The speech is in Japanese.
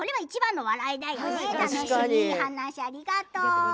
お話ありがとう。